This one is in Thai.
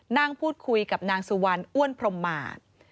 นั่งพูดคุยกับนางสุวรรณอ้วนพรมมา